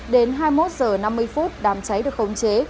đến hai mươi một h năm mươi đám cháy được khống chế